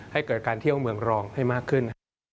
ให้เกิดการเที่ยวเมืองรองให้มากขึ้น